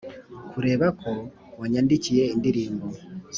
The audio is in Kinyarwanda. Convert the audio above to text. kuberako wanyandikiye indirimbo.